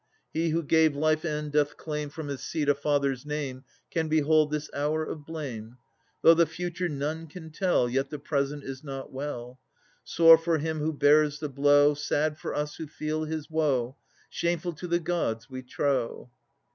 He who gave life and doth claim From his seed a Father's name Can behold this hour of blame. Though the future none can tell, Yet the present is not well: Sore for him who bears the blow, Sad for us who feel his woe, Shameful to the Gods, we trow.